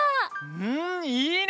うんいいね。